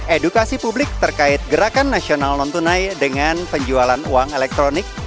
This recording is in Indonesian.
edukasi publik terkait gerakan nasional non tunai dengan penjualan uang elektronik